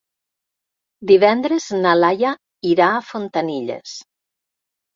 Divendres na Laia irà a Fontanilles.